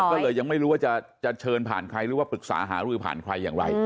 ก็เลยยังไม่รู้ว่าจะเชิญผ่านใครหรือว่าปรึกษาหารือผ่านใครอย่างไร